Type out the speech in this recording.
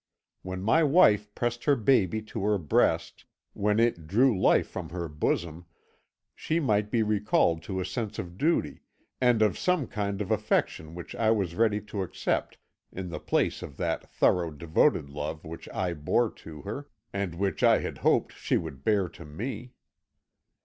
When my wife pressed her baby to her breast, when it drew life from her bosom, she might be recalled to a sense of duty and of some kind of affection which I was ready to accept in the place of that thorough devoted love which I bore to her, and which I had hoped she would bear to me.